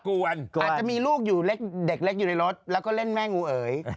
อาจจะมีลูกอยู่เล็กอยู่ในรถแล้วก็เล่นแม่งูเอ๋ย